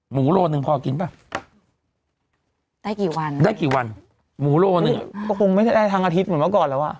โลหนึ่งพอกินป่ะได้กี่วันได้กี่วันหมูโลหนึ่งอ่ะก็คงไม่ได้ทั้งอาทิตย์เหมือนเมื่อก่อนแล้วอ่ะ